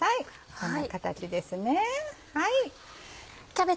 こんな形ですね。